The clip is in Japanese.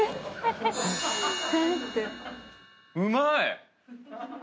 うまい！